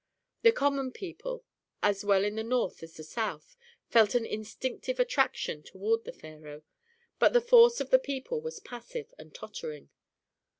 The common people, as well in the north as the south, felt an instinctive attraction toward the pharaoh. But the force of the people was passive and tottering.